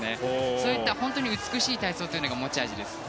そういった美しい体操が持ち味です。